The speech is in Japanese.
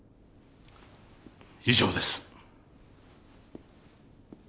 以上です。